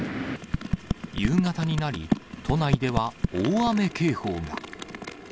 夕方になり、都内では大雨警報が。